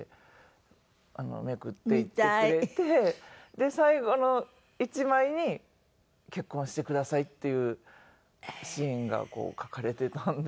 で最後の１枚に「結婚してください」っていうシーンが描かれていたんですよ。